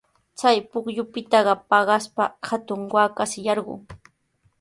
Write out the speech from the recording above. Chay pukyupitaqa paqaspa hatun waakashi yarqun.